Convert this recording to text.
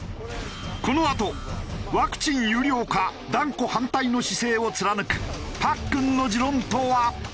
このあとワクチン有料化断固反対の姿勢を貫くパックンの持論とは？